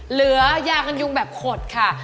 เหลือยากันยุงแบบขดค่ะ